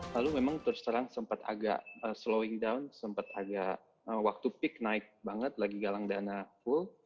lalu memang terus terang sempat agak slowing down sempat agak waktu peak naik banget lagi galang dana full